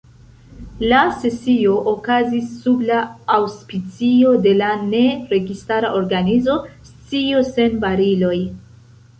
La sesio okazis sub la aŭspicio de la Ne Registara Organizo Scio Sen Bariloj.